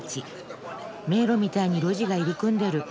迷路みたいに路地が入り組んでる。